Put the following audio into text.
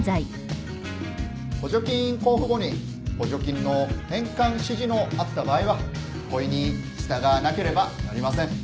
補助金交付後に補助金の返還指示のあった場合はこいに従わなければなりません。